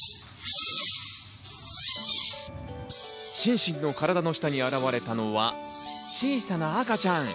シンシンの体の下に現れたのは小さな赤ちゃん。